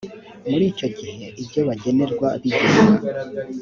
muri icyo gihe ibyo bagenerwa bigenwa